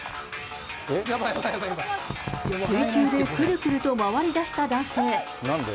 水中でくるくると回りだした男性。